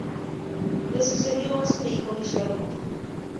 Le sucedió su hijo Guillermo.